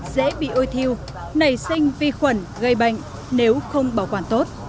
dễ bị ôi thiêu nảy sinh vi khuẩn gây bệnh nếu không bảo quản tốt